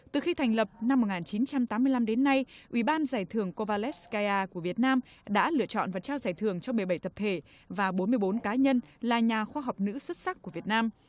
từ khi thành lập năm một nghìn chín trăm tám mươi năm đến nay ủy ban giải thưởng kovalev skyar của việt nam đã lựa chọn và trao giải thưởng cho một mươi bảy tập thể và bốn mươi bốn cá nhân là nhà khoa học nữ xuất sắc của việt nam